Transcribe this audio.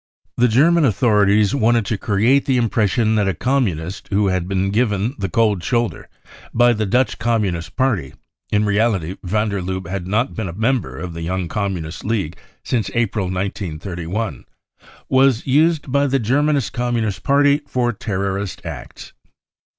The German authorities wanted to create the impression that a Communist who Ijad been " given the cold shoulder " by the Dutch Communist Party (in reality van der Lubbe had not been a member of the Young Communist League since April 1931) was used by the German Communist Party for terroristic acts.